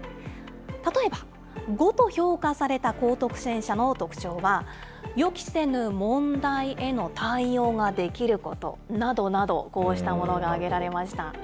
例えば、５と評価された高得点者の特徴は、予期せぬ問題への対応ができることなどなど、こうしたものがあげられました。